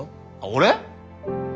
俺？